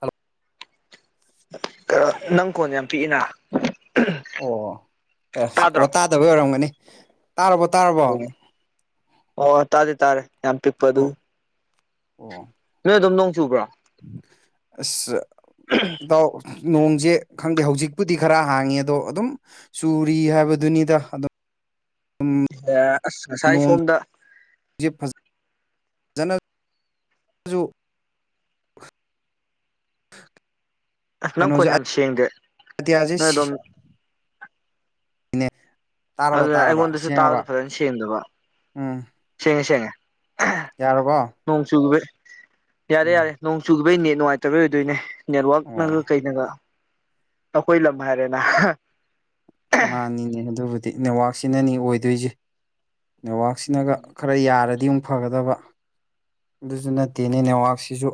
Hello ꯀꯩꯅꯣ ꯅꯪ ꯈꯣꯟ ꯌꯥꯝ ꯄꯤꯛꯏꯅ ꯑꯣ ꯑꯣ ꯑꯁ ꯇꯥꯗ꯭ꯔꯣ ꯇꯥꯗꯕꯩ ꯑꯣꯏꯔꯝꯒꯅꯤ꯫ ꯇꯥꯔꯕꯣ ꯇꯥꯔꯕꯣ ꯑꯣ ꯑꯣ ꯑꯣ ꯇꯥꯔꯦ ꯇꯥꯔꯦ ꯌꯥꯝ ꯄꯤꯛꯄ ꯑꯗꯨꯒꯤ ꯑꯣ ꯑꯗꯨꯝ ꯅꯣꯡ ꯆꯨꯕ꯭ꯔꯣ? ꯑꯁ ꯏꯇꯥꯎ ꯅꯣꯡꯁꯦ ꯈꯪꯗꯦ ꯍꯧꯖꯤꯛꯄꯨꯗꯤ ꯈꯔ ꯍꯥꯡꯉꯤ ꯑꯗꯣ ꯑꯗꯨꯝ ꯆꯨꯔꯤ ꯍꯥꯏꯕꯗꯨꯅꯤꯗ ꯑꯗꯨꯝ꯫ ꯑꯦ ꯑꯁ ꯉꯁꯥꯏ ꯅꯣꯡꯁꯦ ꯁꯣꯝꯗ ꯐꯖꯅꯁꯨ [unintelligible] ꯅꯪ ꯀꯩꯅꯣꯁꯦ ꯈꯣꯟ ꯌꯥꯝ ꯁꯦꯡꯗꯦ ꯑꯇꯤꯌꯥꯁꯦ ꯅꯣꯏ ꯑ ꯑꯗꯣꯝ ꯑꯩꯅꯦ ꯑꯗꯨꯅ ꯑꯩꯉꯣꯟꯗꯁꯨ ꯇꯥꯕꯗꯨ ꯐꯖꯅ ꯁꯦꯡꯗꯕ ꯎꯝ ꯁꯦꯡꯉꯦ ꯁꯦꯡꯉꯦ ꯌꯥꯔꯕꯣ ꯅꯣꯡ ꯆꯨꯒꯤꯕꯒꯤ ꯌꯥꯔꯦ ꯎꯝ ꯌꯥꯔꯦ ꯅꯣꯡ ꯆꯨ ꯅꯣꯏ ꯅꯦꯠ ꯅꯨꯡꯉꯥꯏꯇꯕꯩ ꯑꯣꯏꯗꯣꯏꯅꯦ꯫ ꯅꯦꯠꯋꯔꯛ ꯑꯣ ꯅꯒ ꯀꯩꯅꯒ ꯑꯩꯈꯣꯏ ꯂꯝ ꯍꯥꯏꯔꯦꯅ꯫ ꯃꯥꯅꯤꯅꯦ ꯑꯗꯨꯕꯨꯗꯤ ꯅꯦꯠꯋꯥꯛ ꯑꯁꯤꯅꯅꯤ ꯑꯣꯏꯗꯣꯏꯁꯦ ꯅꯦꯠꯋꯔꯥꯛꯁꯤꯅꯒ ꯈꯔ ꯌꯥꯔꯗꯤ ꯗꯤꯝ ꯐꯒꯗꯕ ꯑꯗꯨꯁꯨ ꯅꯠꯇꯦꯅꯦ ꯅꯦꯠꯋꯥꯛꯁꯤꯁꯨ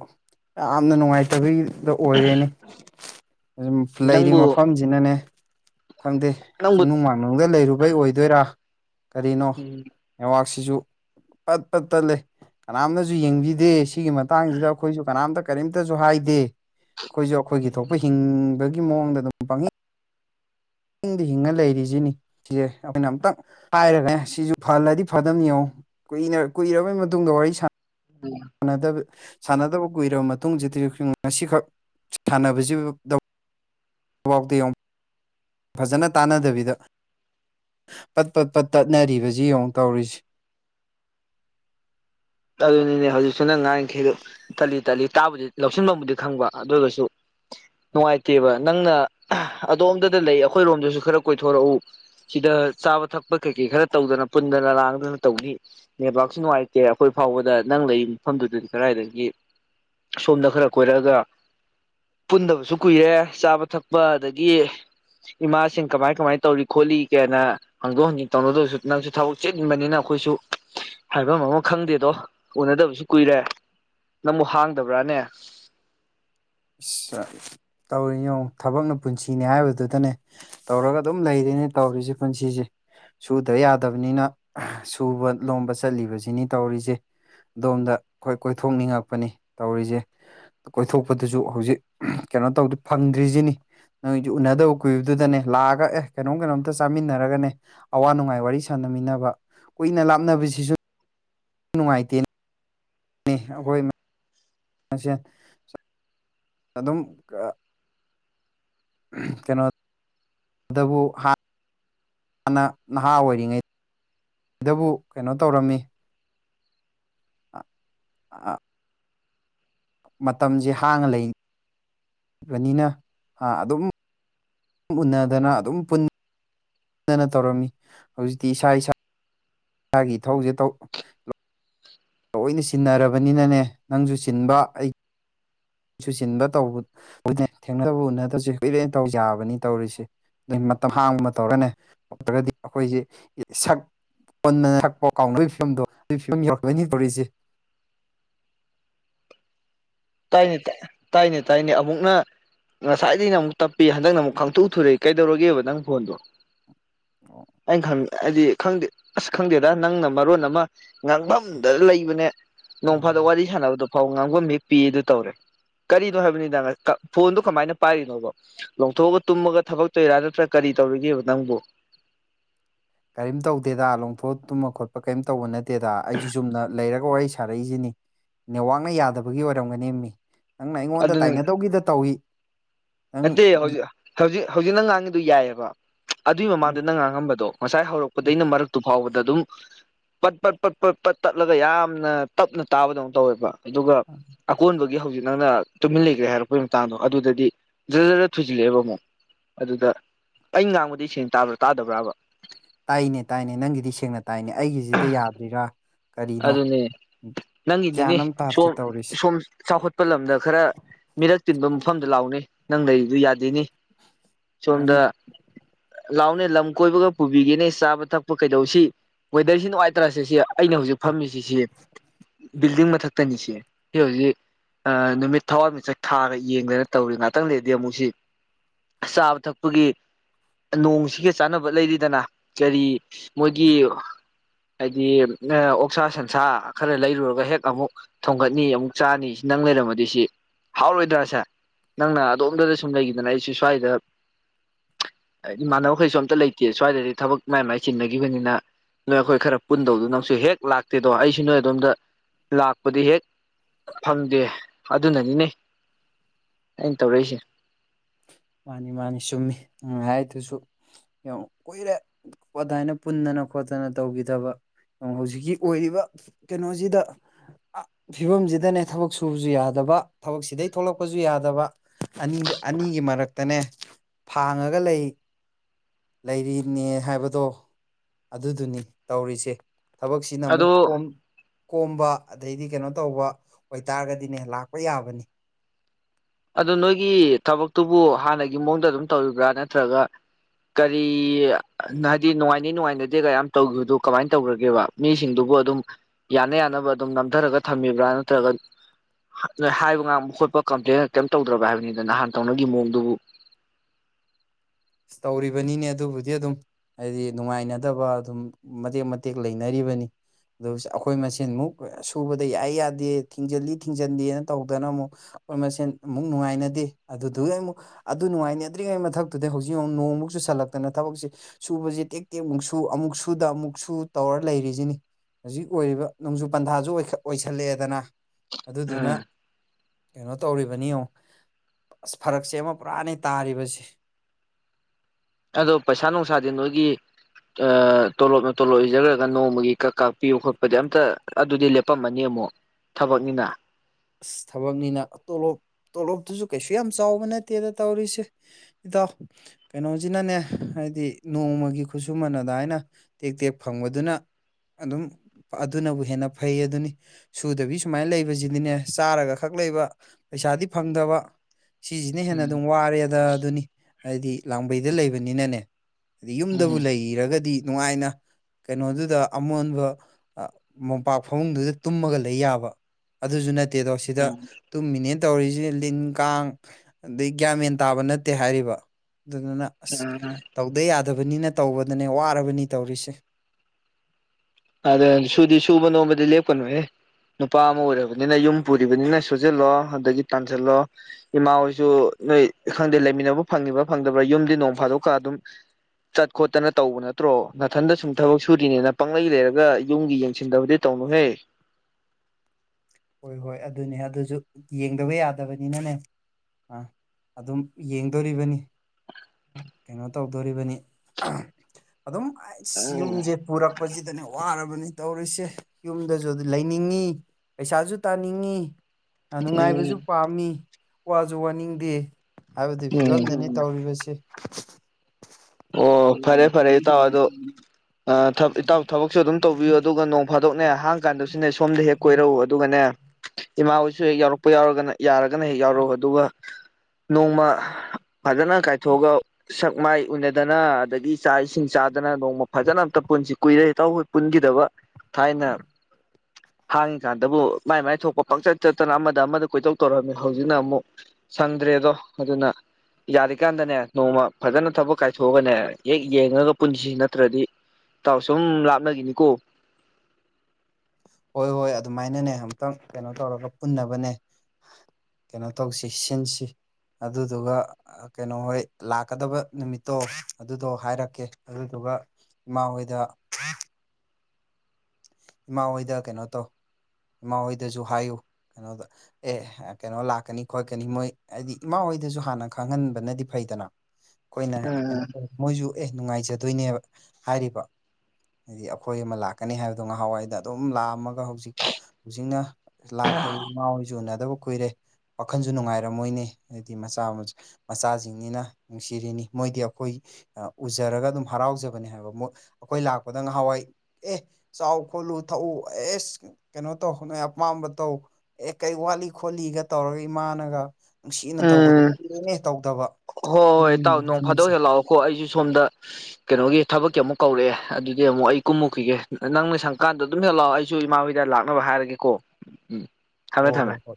ꯌꯥꯝꯅ ꯅꯨꯡꯉꯥꯏꯇꯕꯒꯤꯅꯤ꯫ ꯑꯗꯨ ꯑꯣꯏꯔꯦꯅꯦ ꯅꯪꯕꯨ ꯂꯩꯔꯤꯕ ꯃꯐꯝꯁꯤꯅꯅꯦ ꯈꯪꯗꯦ ꯅꯪꯕꯨ ꯆꯤꯡꯅꯨꯡ ꯃꯥꯅꯨꯡꯗ ꯂꯩꯔꯨꯕꯩ ꯑꯣꯏꯗꯣꯏꯔꯥ? ꯀꯔꯤꯅꯣ ꯎꯝ ꯅꯦꯠꯋꯥꯛ ꯁꯤꯁꯨ ꯄꯠ ꯄꯠ ꯇꯠ ꯂꯩ ꯀꯅꯥꯝꯅꯁꯨ ꯌꯦꯡꯕꯤꯗꯦ ꯁꯤꯒꯤ ꯃꯇꯥꯡꯁꯤꯗ ꯑꯩꯈꯣꯏꯁꯨ ꯀꯅꯥꯝꯇ ꯀꯔꯤꯝꯇꯁꯨ ꯍꯥꯏꯗꯦ ꯑꯩꯈꯣꯏꯁꯨ ꯑꯩꯈꯣꯏꯒꯤ ꯊꯣꯛꯄ ꯍꯤꯡꯕꯒꯤ ꯃꯑꯣꯡꯗ ꯑꯗꯨꯝ ꯄꯡꯏ [unintelligible] ꯗ ꯍꯤꯡꯉ ꯂꯩꯔꯤꯁꯤꯅꯤ ꯁꯤꯁꯦ ꯑꯩꯈꯣꯏꯅ ꯑꯝꯇꯪ ꯍꯥꯏꯔꯒꯅꯦ ꯁꯤꯁꯨ ꯐꯜꯂꯗꯤ ꯐꯗꯝꯕ ꯌꯦꯡꯉꯨ ꯀꯨꯏꯔꯕꯩ ꯃꯇꯨꯡꯗ ꯋꯥꯔꯤ ꯎꯅꯗ [unintelligible] ꯁꯥꯟꯅꯗꯕ ꯀꯨꯏꯔꯕ ꯃꯇꯨꯡꯁꯤ ꯉꯁꯤꯈꯛ ꯁꯥꯟꯅꯕꯁꯤ [unintelligible] ꯐꯖꯅ ꯇꯥꯟꯅꯗꯕꯤꯗ ꯄꯠ ꯄꯠ ꯄꯠ ꯇꯠꯅꯔꯤꯕꯁꯤ ꯌꯦꯡꯉꯨ ꯇꯧꯔꯤꯁꯤ ꯑꯗꯨꯅꯤꯅꯦ ꯍꯧꯖꯤꯛꯁꯨ ꯅꯪ ꯉꯥꯡꯈꯤꯦꯗ ꯇꯠꯂꯤ ꯇꯠꯂꯤ ꯇꯥꯕꯨꯗꯤ ꯂꯧꯁꯤꯟꯐꯝꯕꯨꯗꯤ ꯈꯪꯕ ꯑꯗꯨ ꯑꯣꯏꯔꯒꯁꯨ ꯅꯨꯡꯉꯥꯏꯇꯦꯕꯥ ꯅꯪꯅ ꯑꯗꯣꯝꯗꯗ ꯂꯩ ꯑꯩꯈꯣꯏꯔꯣꯝꯗꯁꯨ ꯈꯔ ꯀꯣꯏꯊꯣꯔꯛꯎ ꯁꯤꯗ ꯆꯥꯕ ꯊꯛꯄ ꯀꯩꯀꯩ ꯈꯔ ꯇꯧꯗꯅ ꯄꯨꯟꯗꯅ ꯂꯥꯡꯗꯅ ꯇꯧꯅꯤ ꯅꯦꯕꯥꯛꯁꯨ ꯅꯨꯡꯉꯥꯏꯇꯦ ꯑꯩꯈꯣꯏ ꯐꯥꯎꯕꯗ ꯅꯪ ꯂꯩ ꯃꯐꯝꯗꯨꯗꯗꯤ ꯀꯗꯥꯏꯗꯒꯤ ꯁꯣꯝꯗ ꯈꯔ ꯀꯣꯏꯔꯛꯑꯒ ꯄꯨꯟꯗꯕꯁꯨ ꯀꯨꯏꯔꯦ ꯆꯥꯕ ꯊꯛꯄ ꯑꯗꯒꯤ ꯏꯃꯥꯁꯤꯡ ꯀꯃꯥꯏ ꯀꯃꯥꯏ ꯇꯧꯔꯤ ꯈꯣꯠꯂꯤ ꯀꯥꯏꯅ ꯍꯥꯡꯗꯣꯛ ꯍꯥꯡꯖꯤꯟ ꯇꯧꯅꯗꯕꯁꯨ ꯅꯪꯁꯨ ꯊꯕꯛ ꯆꯦꯅꯤꯡꯟꯕꯅꯤꯅ ꯑꯩꯈꯣꯏꯁꯨ ꯍꯥꯏꯐꯝ ꯑꯃ ꯈꯪꯗꯦꯗꯣ ꯎꯅꯗꯕꯁꯨ ꯀꯨꯏꯔꯦ ꯅꯪꯕꯨ ꯍꯥꯡꯗꯕ꯭ꯔꯥꯅꯦ ꯑꯁ ꯇꯧꯔꯤ ꯌꯦꯉꯨ ꯊꯕꯛꯅ ꯄꯨꯟꯁꯤꯅꯦ ꯍꯥꯏꯕꯗꯨꯗꯅꯦ ꯇꯧꯔꯒ ꯑꯗꯨꯝ ꯂꯩꯔꯤꯅꯦ ꯇꯧꯔꯤꯁꯦ ꯄꯨꯟꯁꯤꯁꯦ ꯁꯨꯗꯕ ꯌꯥꯗꯕꯅꯤꯅ ꯁꯨꯕ ꯅꫭꯝꯕ ꯆꯠꯂꯤꯕꯁꯤꯅꯤ ꯇꯧꯔꯤꯁꯦ ꯑꯗꯣꯝꯗ ꯑꯩꯈꯣꯏ ꯀꯣꯏꯊꯣꯛꯅꯤꯡꯉꯛꯄꯅꯤ ꯇꯧꯔꯤꯁꯦ ꯀꯣꯏꯊ ꯗꯨꯁꯨ ꯍꯧꯖꯤꯛ ꯀꯩꯅꯣ ꯇꯧꯗ ꯐꯪꯗ꯭ꯔꯤꯁꯤꯅꯤ ꯅꯣꯏꯗꯤ ꯎꯅꯗꯕ ꯀꯨꯏꯕꯗꯨꯗꯅꯦ ꯂꯥꯛꯑꯒ ꯑꯦ ꯀꯩꯅꯣꯝ ꯀꯩꯅꯣꯝꯇ ꯆꯥꯃꯤꯟꯅꯔꯒꯅꯦ ꯑꯋꯥ ꯅꯨꯡꯉꯥꯏ ꯋꯥꯔꯤ ꯁꯥꯟꯅꯃꯤꯟꯅꯕ ꯀꯨꯏꯅ ꯂꯥꯞꯅꯕꯁꯤꯁꯨ [inaudible] ꯅꯨꯡꯉꯥꯏꯇꯦꯅꯦ [unintelligible] ꯑꯩꯈꯣꯏ ꯑꯁꯦ ꯑꯗꯨꯝ ꯀꯩꯅꯣ ꯗꯕꯨ ꯍꯥꯟꯅ ꯅꯍꯥ ꯑꯣꯏꯔꯤꯉꯩꯗꯕꯨ ꯀꯩꯅꯣ ꯇꯧꯔꯝꯃꯤ ꯑ ꯑ ꯃꯇꯝꯁꯦ ꯍꯥꯡꯅ ꯂꯩꯅꯤ ꯕꯅꯤꯅ ꯑꯗꯨꯝ ꯎꯅꯗꯅ ꯑꯗꯨꯝꯅ ꯇꯧꯔꯝꯃꯤ ꯍꯧꯖꯤꯛꯇꯤ ꯏꯁꯥ ꯏꯁꯥ ꯏꯁꯥꯒꯤ ꯏꯊꯧꯁꯦ ꯂꯣꯏꯅ ꯆꯤꯟꯅꯔꯕꯅꯤꯅꯅꯦ ꯅꯪꯁꯨ ꯆꯤꯟꯕ ꯑꯩ ꯁꯨ ꯆꯤꯟꯕ ꯇꯧꯕꯏ ꯊꯦꯡꯅꯗꯕ ꯎꯅꯗꯕꯁ ꯍꯨꯏꯔꯦꯟ ꯇꯧ ꯌꯥꯕꯅꯤ ꯇꯧꯔꯤꯁꯦ ꯃꯇꯝ ꯍꯥꯡꯕ ꯑꯃ ꯇꯧꯔꯅꯦ ꯇꯧ꯭ꯔꯒꯗꯤ ꯑꯩꯈꯣꯏꯁꯦ ꯁꯛ ꯀꯣꯟꯅꯅ ꯁꯛꯄ ꯀꯥꯎꯅꯕꯒꯤ ꯐꯤꯕꯝꯗꯣ ꯑꯗꯨꯒꯤ ꯐꯤꯕꯝ ꯌꯧꯔꯛꯀꯣꯏꯅꯤ ꯇꯧꯔꯤꯁꯦ ꯇꯥꯏꯅꯦ ꯇꯥꯏꯅꯦ ꯇꯥꯏꯅꯦ ꯑꯃꯨꯛꯅ ꯉꯁꯥꯏꯗꯒꯤꯅ ꯑꯃꯨꯛ ꯇꯞꯄꯤ ꯍꯟꯗꯛꯅ ꯑꯃꯨꯛ ꯈꯪꯊꯣꯛ ꯊꯣꯔꯛꯏ ꯀꯩꯗꯧꯔꯒꯦꯕ ꯅꯪ ꯐꯣꯟꯗꯣ ꯑꯩꯅ ꯈꯪꯉ ꯍꯥꯏꯗꯤ ꯈꯪꯗꯦ ꯑꯁ ꯈꯪꯗꯦꯗ ꯅꯪꯅ ꯃꯔꯣꯟ ꯑꯃ ꯉꯥꯡꯐꯝꯗ ꯂꯩꯕꯅꯦ ꯅꯣꯡ ꯐꯥꯗ ꯋꯥꯔꯤ ꯋꯥꯔꯤ ꯁꯅꯗ [unintelligible] ꯄꯦꯗꯨ ꯇꯧꯔꯦ ꯀꯔꯤꯅꯣ ꯍꯥꯏꯕꯅꯤꯗ ꯅꯪ ꯐꯣꯟꯗꯨ ꯀꯃꯥꯏꯅ ꯄꯥꯏꯔꯤꯅꯣꯕ ꯂꫭꯊꯣꯛꯑꯒ ꯇꯨꯝꯃꯒ ꯊꯕꯛ ꯇꯧꯔꯥ ꯅꯠꯇ꯭ꯔꯥ ꯀꯔꯤ ꯇꯧꯔꯤꯒꯦꯕ ꯅꯪꯕꯨ ꯀꯔꯤꯝ ꯇꯧꯗꯦꯗ ꯂꯣꯡꯊꯣꯠ ꯇꯨꯝꯕ ꯈꯣꯠꯄ ꯀꯔꯤꯝ ꯇꯧꯕ ꯅꯠꯇꯦ ꯇꯦꯗꯥ ꯑꯩꯁꯨ ꯆꯨꯝꯅ ꯂꯩꯔꯛ ꯑꯣ ꯑꯩ ꯁꯥꯔꯛꯏꯁꯤꯅꯤ ꯅꯦꯠꯋꯥꯛꯅ ꯌꯥꯗꯕꯒꯤ ꯑꯣꯏꯔꯝꯒꯅꯤ ꯃꯤ ꯅꯪꯅ ꯑꯩꯉꯣꯟꯗ ꯑꯗꯨꯅꯤ ꯇꯥꯏꯅꯗꯧꯒꯤꯗ ꯇꯧꯏ ꯅꯪ ꯅꯠꯇꯦ ꯒꯤ ꯍꯧꯖꯤꯛ ꯍꯧꯖꯤꯛ ꯍꯧꯖꯤꯛ ꯅꯪ ꯉꯥꯡꯉꯤꯗꯨ ꯌꯥꯏꯑꯕ ꯑꯗꯨꯏ ꯃꯃꯥꯡꯗ ꯅꯪ ꯉꯥꯡꯉꯝꯕꯗꯣ ꯉꯁꯥꯏ ꯍꯧꯔꯛꯄꯗꯅ ꯃꯔꯛꯇꯨ ꯐꯥꯎꯕꯗ ꯑꯗꯨꯝ ꯄꯠ ꯄꯠ ꯄꯠ ꯄꯠ ꯄꯠ ꯇꯠꯂꯒ ꯌꯥꯝꯅ ꯇꯞꯅ ꯇꯥꯕꯗꯧꯅ ꯇꯧꯋꯦꯕ ꯑꯗꯨꯒ ꯑꯀꯣꯟꯕꯒꯤ ꯍꯧꯖꯤꯛ ꯍꯧꯖꯤꯛ ꯅꯪꯟ ꯇꯨꯃꯤꯟ ꯂꯩꯈ꯭ꯔꯦ ꯍꯥꯏꯔꯛꯄꯒꯤ ꯃꯇꯥꯡꯗꯣ ꯑꯗꯨꯗꯗꯤ ꯖꯔ ꯖꯗ ꯊꯣꯏꯖꯤꯜꯂꯛꯑꯦꯕ ꯑꯃꯨꯛ ꯑꯗꯨꯗ ꯑꯩ ꯉꯥꯡꯕꯗꯤ ꯁꯦꯡꯅ ꯇꯕ꯭ꯔꯥ ꯇꯥꯗꯕ꯭ꯔꯥꯕ ꯇꯥꯏꯅꯦ ꯇꯥꯏꯅꯦ ꯅꯪꯒꯒꯤꯗꯤ ꯁꯦꯛꯅ ꯇꯥꯏꯅꯦ ꯑꯩꯒꯤꯁꯤꯗ ꯌꯥꯗ꯭ꯔꯤꯔꯥ? ꯀꯔꯤꯅꯣ ꯑꯗꯨꯅꯦ ꯅꯪꯒꯤꯅꯤꯅꯦ ꯒ꯭ꯌꯥꯟ ꯑꯃ ꯇꯥꯗ꯭ꯔꯦ ꯁꯣꯝ ꯇꯧꯔꯤꯁꯦ ꯁꯣꯝ ꯆꯥꯎꯈꯠꯄ ꯂꯝꯗ ꯈꯔ ꯃꯤꯔꯛ ꯇꯤꯟꯕ ꯃꯐꯝꯗ ꯂꯥꯎꯅꯦ ꯅꯪ ꯂꯩꯔꯤꯗꯨ ꯌꯥꯗꯦꯅꯦ ꯁꯣꯝꯗ ꯃꯥꯅꯤ ꯂꯥꯎꯅꯦ ꯂꯝ ꯀꯣꯏꯕꯒ ꯄꯨꯕꯤꯒꯦꯅꯦ ꯆꯥꯕ ꯊꯛꯄ ꯀꯩꯗꯧꯁꯤ ꯋꯦꯗꯔꯁꯤ ꯅꯨꯡꯉꯥꯏꯇ꯭ꯔꯁꯦ ꯁꯤ ꯑꯩꯅ ꯍꯧꯖꯤꯛ ꯐꯥ꯫ꯝꯃꯤꯁꯤꯁꯦ ꯕꯤꯜꯗꯤꯡ ꯃꯊꯛꯇꯅꯤꯁ ꯁꯤ ꯍꯧꯖꯤꯛ ꯅꯨꯃꯤꯠ ꯊꯋꯥꯏꯃꯤꯆꯛ ꯊꯥꯒ ꯌꯦꯡꯗꯅ ꯇꯧꯔꯤ ꯉꯥꯛꯇꯪ ꯂꯩꯔꯗꯤ ꯑꯃꯨꯛꯁꯤ ꯆꯥꯕ ꯊꯛꯄꯒꯤ ꯅꯣꯡꯁꯤꯒ ꯆꯥꯟꯅꯕ ꯂꯩꯔꯤꯗꯅ ꯀꯔꯤ ꯃꯣꯏꯒꯤ ꯍꯥꯏꯗꯤ ꯑꯅꯨꯡꯁꯥ ꯁꯟꯁꯥ ꯈꯔ ꯂꯩꯔꯨꯔꯒ ꯍꯦꯛ ꯑꯃꯨꯛ ꯊꯣꯡꯒꯠꯅꯤ ꯑꯃꯨꯛ ꯆꯥꯅꯤ ꯁꯤ ꯅꯪ ꯂꯩꯔꯝꯃꯗꯤ ꯁꯤ ꯍꯥꯎꯔꯣꯏꯗ꯭ꯔꯥꯁꯦ ꯅꯪꯅ ꯑꯗꯣꯝꯗꯗ ꯁꯨꯝ ꯂꯩꯈꯤꯗꯅ ꯑꯩꯁꯨ ꯁ꯭ꯋꯥꯏꯗ ꯏꯃꯥꯟꯅꯕꯈꯩꯁꯨ ꯑꯝꯇ ꯂꯩꯇꯦ ꯁ꯭ꯋꯥꯏꯗꯗꯤ ꯊꯕꯛ ꯃꯌꯥꯝ ꯃꯥꯏ ꯆꯤꯟꯅꯈꯤꯕꯅꯤꯅ ꯅꯣꯏ ꯑꯩꯈꯣꯏ ꯈꯔ ꯄꯨꯟꯗꯧꯗ ꯅꯪꯁꯨ ꯍꯦꯛ ꯂꯛ ꯇꯦꯗꯣ ꯑꯩꯁꯨ ꯅꯣꯏ ꯑꯗꯣꯝꯗ ꯂꯥꯛꯄꯗꯤ ꯍꯦꯛ ꯐꯪꯗꯦ ꯑꯗꯨꯅꯅꯤꯅꯦ ꯑꯩꯅ ꯇꯧꯔꯛꯏꯁꯦ ꯃꯥꯅꯤ ꯃꯥꯅꯤ ꯆꯨꯝꯃꯤ ꯅꯪ ꯍꯥꯏꯗꯨꯁꯨ ꯌꯥꯝ ꯀꯨꯏꯔꯦ ꯑꯗꯨꯃꯥꯏꯅ ꯄꯨꯟꯗꯅ ꯈꯣꯠꯇꯅ ꯇꯧꯈꯤꯗꯕ ꯍꯧꯖꯤꯛꯀꯤ ꯑꯣꯏꯔꯤꯕ ꯀꯩꯅꯣꯁꯤꯗ ꯐꯤꯕꯝꯁꯤꯗꯅꯦ ꯊꯕꯛ ꯁꯨꯕꯁꯨ ꯌꯥꯗꯕ ꯊꯕꯛ ꯁꯤꯗꯩ ꯊꯣꯛꯂꯛꯄꯁꯨ ꯌꯥꯗꯕ ꯑꯅꯤꯗ ꯑꯅꯤꯒꯤ ꯃꯔꯛꯇꯅꯦ ꯐꯥꯡꯉꯒ ꯂꯩ ꯂꯩꯔꯤꯅꯦ ꯍꯥꯏꯕꯗꯣ ꯑꯗꯨꯗꯨꯅꯤ ꯇꯧꯔꯤꯁꯦ ꯊꯕꯛꯁꯤꯅ ꯑꯃꯨꯛ ꯑꯗꯣ ꯀꯣꯝ ꯀꯣꯝꯕ ꯑꯗꯩꯗꯤ ꯀꯩꯅꯣ ꯇꯧꯕ ꯑꯣꯏꯇꯥꯔꯒꯗꯤꯅꯦ ꯂꯥꯛꯄ ꯌꯥꯕꯅꯤ ꯑꯗꯨ ꯅꯣꯏꯒꯤ ꯊꯕꯛꯇꯨꯕꯨ ꯍꯥꯟꯅꯒꯤ ꯃꯑꯣꯡꯗ ꯑꯗꯨꯝ ꯇꯧꯔꯤꯕ꯭ꯔꯥ ꯅꯠꯇ꯭ꯔꯒ ꯀꯔꯤ ꯍꯥꯏꯗꯤ ꯅꯨꯡꯉꯥꯏꯅꯤ ꯅꯨꯡꯉꯥꯏꯅꯗꯦ ꯀ ꯌꯥꯝ ꯇꯧꯈꯤꯕꯗꯨꯣ ꯀꯃꯥꯏꯅ ꯇꯧꯈ꯭ꯔꯒꯦꯕ ꯃꯤꯁꯤꯡꯗꯨꯕꯨ ꯑꯗꯨꯝ ꯌꯥꯅ ꯌꯥꯅꯕ ꯑꯗꯨꯝ ꯅꯝꯊꯔꯒ ꯊꯝꯃꯤꯕ꯭ꯔꯥ ꯅꯠꯇ꯭ꯔꯒ ꯅꯣꯏ ꯍꯥꯏꯕ ꯉꯥꯡꯕ ꯈꯣꯠꯄ ꯀꯝꯄ꯭ꯂꯦꯟ ꯀꯩꯝ ꯇꯧꯗ꯭ꯔꯕ ꯍꯥꯏꯕꯅꯤꯗ ꯅꯍꯥꯟ ꯇꯧꯅꯕꯒꯤ ꯃꯑꯣꯡꯗꯨꯕꯨ ꯇꯧꯔꯤꯕꯅꯤꯅꯦ ꯑꯗꯨꯕꯨꯗꯤ ꯑꯗꯨꯝ ꯍꯥꯏꯗꯤ ꯅꯨꯡꯉꯥꯏꯅꯗꯕ ꯑꯗꯨꯝ ꯃꯇꯦꯛ ꯃꯇꯦꯛ ꯂꯩꯅꯔꯤꯕꯅꯤ ꯑꯗꯨ ꯑꯩꯈꯣꯏ ꯃꯁꯦꯟꯃꯨꯛ ꯁꯨꯕꯗ ꯌꯥꯏ ꯌꯥꯗꯦ ꯊꯤꯡꯖꯤꯜꯂꯤ ꯊꯤꯡꯖꯤꯟꯗꯦꯅ ꯇꯧꯗꯅ ꯑꯃꯨꯛ ꯑꯩꯈꯣꯏ ꯃꯁꯦꯟ ꯑꯃꯨꯛ ꯅꯨꯡꯉꯥꯏꯅꯗꯦ ꯑꯗꯨꯗꯨ ꯑꯃꯨꯛ ꯑꯗꯨ ꯅꯨꯡꯉꯥꯏꯅꯗ꯭ꯔꯤꯉꯩ ꯃꯊꯛꯇꯨꯗ ꯍꯧꯖꯤꯛ ꯍꯧꯖꯤꯛ ꯌꯦꯡꯉꯨ ꯑꯃꯨꯛ ꯅꯣꯡꯃꯨꯛ ꯆꯨꯁꯜꯂꯛꯇꯅ ꯊꯕꯛꯁꯦ ꯁꯨꯕꯕꯁꯤꯦ ꯇꯦꯛ ꯇꯦꯛꯃꯨꯛ ꯁꯨ ꯑꯃꯨꯛ ꯁꯨꯗ ꯑꯃꯨꯛ ꯁꯨ ꯇꯧꯔ ꯂꯩꯔꯤꯁꯤꯅꯤ ꯍꯧꯖꯤꯛ ꯑꯣꯏꯔꯤꯕ ꯅꯣꯡꯖꯨ ꯄꯟꯊꯥꯁꯨ ꯑꯣꯏꯁꯜꯂꯛꯑꯦꯗꯅ ꯑꯗꯨꯗꯨꯅ ꯎꯝ ꯀꯩꯅꯣ ꯇꯧꯔꯤꯕꯅꯤ ꯌꯦꯉꯛ ꯑꯁ ꯐꯔꯛꯁꯦ ꯑꯃ ꯄꯨꯔꯥꯅꯦ ꯇꯥꯔꯤꯕꯁꯦ꯫ ꯑꯗꯣ ꯄꯩꯁꯥ ꯅꯨꯡꯁꯥꯗꯤ ꯅꯣꯏꯒꯤ ꯇꯣꯂꯣꯞꯅ ꯇꯣꯂꯣꯞ ꯂꯩꯖꯈ꯭ꯔꯒ ꯅꯣꯡꯃꯒꯤ ꯀꯛ ꯀꯥꯛꯄꯤꯕ ꯈꯣꯠꯄꯗꯤ ꯑꯝꯇ ꯑꯗꯨꯗꯤ ꯂꯦꯞꯄꯝꯃꯅꯤ ꯑꯃꯨꯛ ꯊꯕꯛꯅꯤꯅ ꯑꯁ ꯊꯕꯛꯅꯤꯅ ꯇꯣꯂꯣꯞ ꯇꯣꯂꯣꯞꯇꯨꯁꯨ ꯀꯩꯁꯨ ꯌꯥꯝ ꯆꯥꯎꯕ ꯅꯠꯇꯦꯗ ꯇꯧꯔꯤꯁꯦ ꯏꯇꯥꯎ ꯀꯩꯅꯣꯁꯤꯅꯅꯦ ꯍꯥꯏꯗꯤ ꯅꯣꯡꯃꯒꯤ ꯈꯨꯠꯁꯨꯃꯅ ꯑꯗꯨ ꯍꯥꯏꯅ ꯇꯦꯛ ꯇꯦꯛ ꯐꯪꯕꯗꯨꯅ ꯑꯗꯨꯝ ꯑꯗꯨꯅꯕꯨ ꯍꯦꯟꯅ ꯐꯩ ꯑꯗꯨꯅꯤ ꯁꯨꯗꯕꯤ ꯁꯨꯃꯥꯏꯅ ꯂꯩꯕꯁꯤꯗꯤꯅꯦ ꯆꯥꯔꯒ ꯈꯛ ꯂꯩꯕ ꯄꯩꯁꯥꯗꯤ ꯐꯪꯗꯕ ꯁꯤꯁꯤꯅ ꯎꯝ ꯍꯦꯟꯅꯗꯨꯝ ꯋꯥꯔꯦꯗ ꯑꯗꯨꯅꯤ ꯍꯥꯏꯗꯤ ꯂꯥꯡꯕꯩꯗ ꯂꯩꯕꯅꯤꯅꯅꯦ [unintelligible] ꯑꯗꯩ ꯌꯨꯝꯗꯕꯨ ꯎꯝ ꯂꯩꯔꯒꯗꯤ ꯅꯨꯡꯉꯥꯏꯅ ꯀꯩꯅꯣꯗꯨꯗ ꯑꯃꯣꯟꯕ ꯃꯣꯝꯄꯥꯛ ꯐꯃꯨꯡꯗꯨꯗ ꯇꯨꯝꯃꯒ ꯂꯩ ꯌꯥꯕ ꯑꯗꯨꯁꯨ ꯅꯠ ꯅꯠꯇꯦꯗꯣ ꯁꯤꯗ ꯎꯝ ꯇꯨꯝꯃꯤꯅꯦ ꯇꯧꯔꯤꯁꯤ ꯂꯤꯟ ꯀꯥꯡ ꯑꯗꯩ ꯒ꯭ꯌꯥꯃꯦꯟ ꯇꯥꯕ ꯅꯠꯇꯦ ꯍꯥꯏꯔꯤꯕ ꯑꯗꯨꯗꯨꯅ ꯑꯁ ꯎꯝ ꯇꯧꯗ ꯌꯥꯗ ꯗꯕꯅꯤꯅ ꯇꯧꯕꯗꯅꯦ ꯋꯥꯔꯕꯅꯤ ꯇꯧꯔꯤꯁꯤ ꯑꯗꯨ ꯁꯨꯗꯤ ꯁꯨꯕ ꯅꯣꯝꯕꯗꯤ ꯂꯦꯞꯀꯅꯨꯍ ꯅꯨꯄꯥ ꯑꯃ ꯑꯣꯏꯔꯕꯅꯤꯅ ꯌꯨꯝ ꯄꯨꯔꯤꯕꯅꯤꯅ ꯁꯨꯖꯜꯂꯣ ꯑꯗꯒꯤ ꯇꯥꯟꯁꯤꯜꯂꯣ ꯏꯃꯥ ꯍꯣꯏꯁꯨ ꯅꯣꯏ ꯈꯪꯗꯦ ꯂꯩꯃꯤꯟꯅꯕ ꯐꯪꯏꯕ꯭ꯔꯥ ꯐꯪꯗꯕ꯭ꯔꯥ ꯌꯨꯝꯗꯤ ꯅꯣꯡ ꯐꯥꯗꯣꯛꯀ ꯑꯗꯨꯝ ꯆꯠ ꯈꯣꯠꯇꯅ ꯇꯧꯕ ꯅꯠꯇ꯭ꯔꯣ ꯅꯊꯟꯗ ꯁꯨꯝ ꯊꯕꯛ ꯁꯨꯔꯤꯅꯤꯅ ꯄꯪꯂꯩ ꯂꯩꯔꯒ ꯒ ꯌꯨꯝꯒꯤ ꯌꯦꯡꯁꯤꯟꯗꯕꯗꯤ ꯇꯧꯅꯨꯍꯦ ꯍꯣꯏ ꯍꯣꯏ ꯑꯗꯨꯅꯦ ꯑꯗꯨꯁꯨ ꯌꯦꯡꯗꯕ ꯌꯥꯗꯕꯅꯤꯅꯅꯦ ꯑꯥ ꯑꯗꯨꯝ ꯌꯦꯡꯗꯣꯔꯤꯕꯅꯤ [unintelligible] ꯀꯩꯅꯣ꯫ ꯇꯧꯗꯣꯔꯤꯕꯅꯤ ꯑꯗꯨꯝ ꯑꯁ ꯎꯝ ꯌꯨꯝꯁꯤ ꯄꯨꯔꯛꯄꯁꯤꯗꯅꯦ ꯋꯥꯔꯕ ꯑꯗꯨꯅꯤꯅꯦ ꯇꯧꯔꯤꯁꯦ ꯌꯨꯝꯗꯁꯨ ꯂꯩꯅꯤꯡꯉꯤ ꯄꯩꯁꯥꯁꯨ ꯇꯥꯟꯅꯤꯡꯉꯤ ꯅꯨꯡꯉꯥꯏꯕꯁꯨ ꯎꯝ ꯄꯥꯝꯃꯤ ꯋꯥꯖꯨ ꯋꯥꯅꯤꯡꯗꯦ ꯍꯥꯏꯕꯗꯤ ꯎꯝ ꯐꯤꯕꯝꯗꯅꯤ ꯇꯧꯔꯤꯕꯁꯤ [unintelligible] ꯑꯣ ꯐꯔꯦ ꯐꯔꯦ ꯏꯇꯥꯎ ꯑꯗꯨ ꯑ ꯏꯇꯥꯎ ꯊꯕꯛꯁꯨ ꯑꯗꯨꯝ ꯇꯧꯕꯤꯌꯨ ꯑꯗꯨꯒ ꯅꯣꯡ ꯐꯥꯗꯣꯛꯅꯦ ꯍꯥꯡ ꯀꯥꯟꯗꯁꯨꯅꯦ ꯁꯣꯝꯗ ꯍꯦꯛ ꯀꯣꯏꯔꯛꯎ ꯑꯗꯨꯒꯅꯦ [unintelligible] ꯏꯃꯥ ꯍꯣꯏꯁꯨ ꯍꯦꯛ ꯌꯥꯎꯔꯛꯄ ꯌꯥꯎꯔꯒꯅ ꯌꯥꯔꯒꯅ ꯍꯦꯛ ꯌꯥꯎꯔꯛꯎ ꯑꯗꯨꯒ ꯅꯣꯡꯃ ꯐꯖꯅ ꯀꯥꯏꯊꯣꯛꯑꯒ ꯁꯛ ꯃꯥꯏ ꯎꯅ ꯗꯅ ꯑꯗꯒꯤ ꯆꯥꯛ ꯏꯁꯤꯡ ꯆꯥꯗꯅ ꯅꯣꯡꯃ ꯐꯖꯅ ꯑꯝꯇ ꯄꯨꯟꯁꯤ ꯀꯨꯏꯔ ꯏꯇꯥꯎꯍꯣꯏ ꯄꯨꯟꯈꯤꯗꯕ ꯊꯥꯏꯅ ꯍꯥꯡꯉꯤꯀꯥꯟꯗꯕꯨ ꯃꯥꯏ ꯃꯥꯏ ꯊꯣꯛꯄ ꯄꯥꯛꯆꯠ ꯆꯠꯇꯅ ꯑꯃꯗ ꯑꯃꯗ ꯀꯣꯏꯗꯧ ꯇꯧꯔꯝꯃꯤ ꯍꯧꯖꯤꯛꯅ ꯑꯃꯨꯛ ꯁꯪꯗ꯭ꯔꯦꯗꯣ ꯑꯗꯨꯅ ꯌꯥꯔꯤꯀꯥꯟꯗꯅꯦ ꯅꯣꯡꯃ ꯐꯖꯅ ꯊꯕꯛ ꯀꯥꯏꯊꯣꯛꯑꯒꯅꯦ ꯍꯦꯛ ꯌꯦꯡꯉꯒ ꯄꯨꯟꯁꯤ ꯅꯠꯇ꯭ꯔꯗꯤ ꯏꯇꯥꯎ ꯁꯨꯝ ꯂꯥꯞꯅꯒꯤꯅꯤꯀꯣ ꯍꯣꯏ ꯍꯣꯏ ꯑꯗꯨꯃꯥꯏꯅꯅꯦ ꯑꯃꯨꯛꯇꯪ ꯀꯩꯅꯣ ꯇꯧꯔꯒ ꯄꯨꯟꯅꯕꯅꯦ ꯀꯩꯅꯣ ꯇꯧꯁꯤ ꯁꯤꯟꯁꯤ ꯑꯗꯨꯗꯨꯒ ꯀꯩꯅꯣꯍꯣꯏ ꯂꯥꯛꯀꯗꯕ ꯅꯨꯃꯤꯠꯇꯣ ꯑꯗꯨꯗꯣ ꯍꯥꯏꯔꯛꯀꯦ ꯑꯗꯨꯗꯨꯒ ꯏꯃꯥ ꯍꯣꯏꯗ ꯏꯃꯥ ꯍꯣꯏꯗ ꯀꯩꯅꯣ ꯇꯧ ꯏꯃꯥ ꯍꯣꯏꯗꯁꯨ ꯍꯥꯏꯌꯨ ꯀꯩꯅꯣꯗ ꯑꯦ ꯀꯩꯅꯣ ꯂꯥꯛꯀꯅꯤ ꯈꯣꯠꯀꯅꯤ ꯃꯣꯏ ꯍꯥꯏꯗꯤ ꯏꯃꯥ ꯍꯣꯏꯗꯁꯨ ꯍꯥꯟꯅ ꯈꯪꯍꯟꯕꯅꯗꯤ ꯐꯩꯗꯅ ꯑꯈꯣꯏꯅ ꯎꯝ ꯀꯩꯅꯣ ꯇꯧ ꯃꯣꯏꯁꯨ ꯑꯦ ꯅꯨꯡꯉꯥꯏꯖꯗꯣꯏꯅꯦꯕ ꯍꯥꯏꯔꯤꯕ ꯍꯥꯏꯗꯤ ꯑꯈꯣꯏ ꯑꯃ ꯂꯥꯛꯀꯅꯤ ꯍꯥꯏꯕ ꯑꯗꯣ ꯉꯍꯥꯟꯋꯥꯏꯗ ꯑꯗꯨꯝ ꯂꯥꯛꯑꯝꯃꯒ ꯍꯧꯖꯤꯛ ꯍꯧꯖꯤꯛꯅ ꯂꯥꯛꯇꯕꯤꯗꯤ ꯏꯃꯥꯥ ꯍꯣꯏꯁꯨ ꯎꯅꯗꯕ ꯀꯨꯏꯔꯦ ꯋꯥꯈꯜꯁꯨ ꯅꯨꯡꯉꯥꯏꯔꯝꯃꯣꯏꯅꯦ ꯍꯥꯏꯗꯤ ꯃꯆꯥ ꯃꯆꯥꯁꯤꯡꯅꯤꯅ ꯅꯨꯡꯁꯤꯔꯤꯅꯤ ꯃꯣꯏꯗꯤ ꯑꯩꯈꯣꯏ ꯎꯖꯔꯒ ꯑꯗꯨꯝ ꯍꯔꯥꯎꯖꯕꯅꯦ ꯍꯥꯏꯕ ꯑꯩꯈꯣꯏ ꯂꯥꯛꯄꯗ ꯉꯍꯥꯟꯋꯥꯏ ꯑꯦ ꯆꯥꯎ ꯈꯣꯠꯂꯨ ꯊꯛꯎ ꯑꯦꯁ ꯀꯩꯅꯣ ꯇꯧ ꯅꯣꯏ ꯑꯄꯥꯝꯕ ꯇꯧ ꯑꯦ ꯀꯩ ꯋꯥꯠꯂꯤ ꯈꯣꯠꯂꯤꯒ ꯇꯧꯔꯒ ꯏꯃꯥꯅꯒ ꯅꯨꯡꯁꯤꯅ ꯇꯧꯕꯗꯣ ꯎꯝ ꯀꯨꯏꯔꯦꯅꯦ ꯇꯧꯗꯕ ꯍꯣꯏ ꯍꯣꯏ ꯏꯇꯥꯎ ꯎꯝ ꯅꯣꯡ ꯐꯥꯗꯣꯛ ꯅꯨꯡꯁꯤ ꯍꯦꯛ ꯂꯥꯛꯑꯣꯀꯣ ꯑꯩꯁꯨ ꯁꯣꯝꯗ ꯀꯩꯅꯣꯒꯤ ꯊꯕꯛ ꯑꯃꯨꯛ ꯀꯧꯔꯛꯑꯦ ꯑꯗꯨꯗꯤ ꯑꯃꯨꯛ ꯑꯩ ꯀꯨꯝꯃꯨꯈꯤꯒꯦ ꯅꯪꯅ ꯁꯪꯀꯥꯟꯗ ꯑꯗꯨꯝ ꯍꯦꯛ ꯂꯥꯛꯑꯣ ꯑꯩꯁꯨ ꯏꯃꯥꯍꯣꯏꯗ ꯂꯥꯛꯅꯕ ꯍꯥꯏꯔꯒꯦꯀꯣ ꯎꯝ ꯊꯝꯃꯦ ꯍꯣ ꯊꯝꯃꯦ ꯍꯣ ꯍꯣꯏ